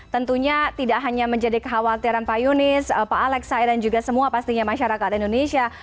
tentunya tidak hanya menjadi kekhawatiran pak yunis pak alex saya dan juga semua pastinya masyarakat indonesia